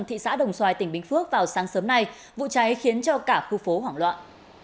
thị xã đồng xoài tỉnh bình phước vào sáng sớm nay vụ cháy khiến cho cả khu phố hoảng loạn